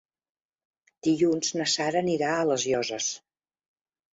Dilluns na Sara anirà a les Llosses.